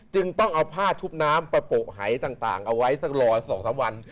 จึงต้องเอาผ้าชุบน้ำประโปะหายต่างเอาไว้สักรอ๒๓วัน